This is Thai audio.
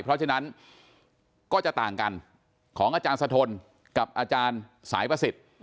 เพราะฉะนั้นก็จะต่างกันของอาจารย์สะทนกับอาจารย์สายประสิทธิ์